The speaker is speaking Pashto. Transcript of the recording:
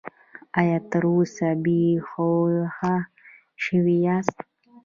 ایا تر اوسه بې هوښه شوي یاست؟